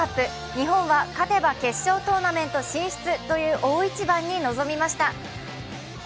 日本は勝てば決勝トーナメント進出となる大一番に臨みました。